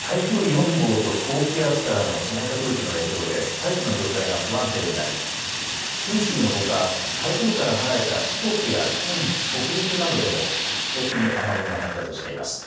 台風４号と高気圧からの湿った空気の影響で大気の状態が不安定になり九州のほか台風から離れた四国や近畿、北陸などでも局地的に雨雲が発達しています。